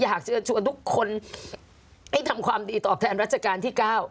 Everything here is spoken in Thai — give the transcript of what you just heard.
อยากเชิญชวนทุกคนให้ทำความดีตอบแทนรัชกาลที่๙